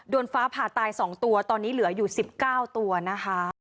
ฟ้าผ่าตาย๒ตัวตอนนี้เหลืออยู่๑๙ตัวนะคะ